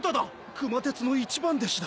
・・熊徹の一番弟子だ！